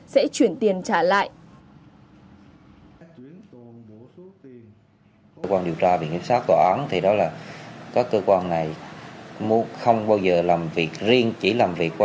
sẽ chuyển tiền trả lại